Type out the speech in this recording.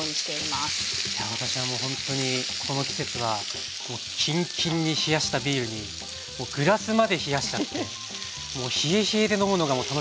いや私はもうほんとにこの季節はキンキンに冷やしたビールにグラスまで冷やしちゃってもう冷え冷えで飲むのが楽しみなんですけど。